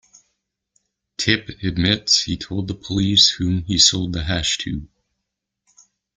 Tip admits he told the police whom he sold the hash to.